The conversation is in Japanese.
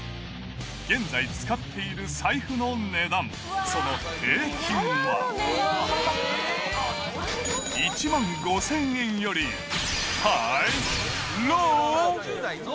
現在使っている財布の値段、その平均は、１万５０００円よりハイ？